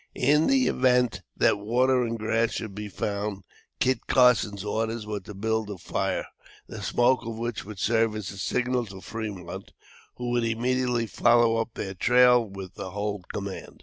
In the event that water and grass should be found, Kit Carson's orders were to build a fire, the smoke of which would serve as a signal to Fremont, who would immediately follow up their trail with the whole command.